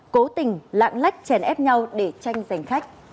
cố tình lạng lách chèn ép nhau để tranh giành khách